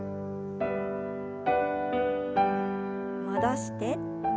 戻して。